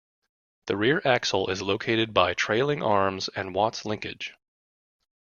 The rear axle is located by trailing arms and Watt's linkage.